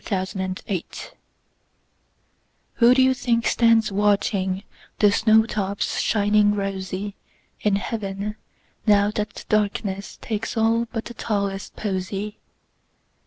Everlasting Flowers WHO do you think stands watchingThe snow tops shining rosyIn heaven, now that the darknessTakes all but the tallest posy?